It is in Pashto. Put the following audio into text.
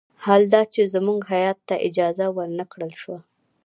حال دا چې زموږ هیات ته اجازه ور نه کړل شوه.